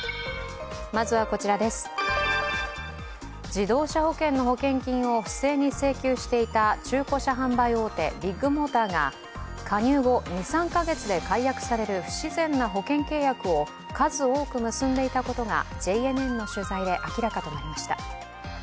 自動車保険の保険金を不正に請求していた中古車販売大手ビッグモーターが加入後２３か月で解約される不自然な保険契約を数多く結んでいたことがＪＮＮの取材で明らかとなりました。